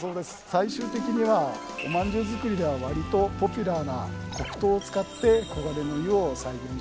最終的にはおまんじゅう作りではわりとポピュラーな黒糖を使って「黄金の湯」を再現したんだそうです。